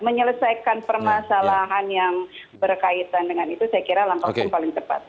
menyelesaikan permasalahan yang berkaitan dengan itu saya kira langkah hukum paling cepat